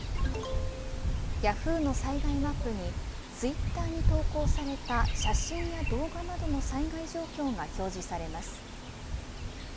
ヤフーの災害マップにツイッターに投稿された写真や動画などの災害状況が表示されます。